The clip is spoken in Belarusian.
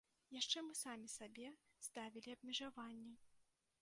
Яшчэ мы самі сабе ставілі абмежаванні.